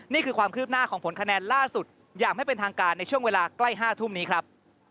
นี่คือความคืบหน้าของผลคะแนนล่าสุดอย่างไม่เป็นทางการในช่วงเวลาใกล้๕ทุ่มนี้ครับ